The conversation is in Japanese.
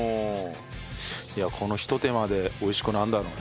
このひと手間で美味しくなるんだろうね。